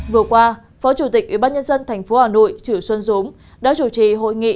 vừa qua phó chủ tịch ubnd tp hà nội chử xuân dũng đã chủ trì hội nghị